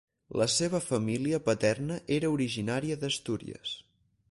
La seva família paterna era originària d’Astúries.